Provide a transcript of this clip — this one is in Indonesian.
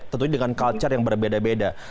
tentunya dengan culture yang berbeda beda